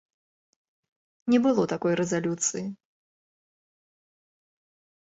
Не было такой рэзалюцыі.